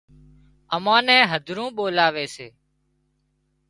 امان نين هڌرون ٻولاوي سي